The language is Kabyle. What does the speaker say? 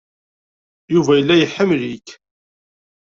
Yuba yella iḥemmel-ik.